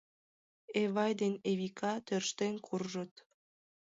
Эвай ден Эвика тӧрштен куржыт.